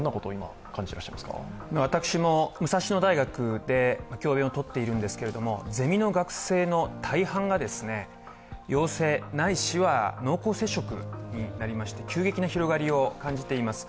私も武蔵野大学で教べんを執っているんですけど、ゼミの学生の大半が陽性ないしは濃厚接触になりまして急激な広がりを感じています。